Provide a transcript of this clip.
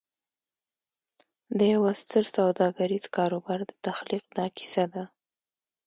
د یوه ستر سوداګریز کاروبار د تخلیق دا کیسه ده